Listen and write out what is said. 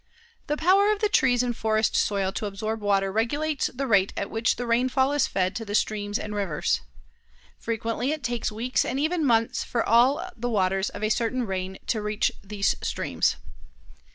The power of the trees and forest soil to absorb water regulates the rate at which the rainfall is fed to the streams and rivers. Frequently it takes weeks and even months for all the waters of a certain rain to reach these streams.